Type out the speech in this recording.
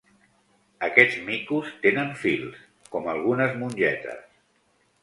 Aquests micos tenen fils, com algunes mongetes.